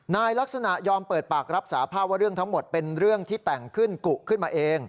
นายลักษณะยอมเปิดปากรับสาภาพว่าเรื่องทั้งหมดเป็นเรื่องที่แต่งขึ้นกุขึ้นมาเอง